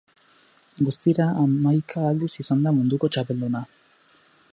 Guztira, hamaika aldiz izan da munduko txapelduna.